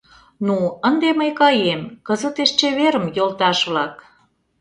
Ну, ынде мый каем, кызытеш чеверым, йолташ-влак!